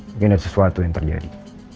mungkin ada sesuatu yang terjadi